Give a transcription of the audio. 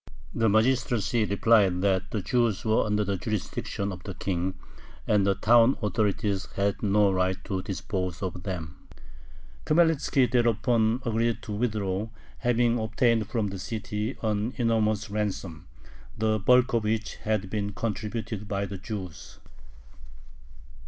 The magistracy replied that the Jews were under the jurisdiction of the king, and the town authorities had no right to dispose of them. Khmelnitzki thereupon agreed to withdraw, having obtained from the city an enormous ransom, the bulk of which had been contributed by the Jews.